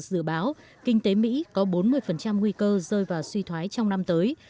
dự báo kinh tế mỹ có bốn mươi nguy cơ rơi vào suy thoái trong năm tới